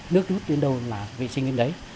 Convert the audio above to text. nước hút đến đâu là vệ sinh đến đấy